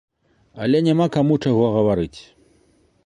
Але няма каму чаго гаварыць!